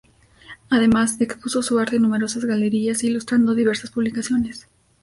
Además, expuso su arte en numerosas galerías, e ilustrando diversas publicaciones.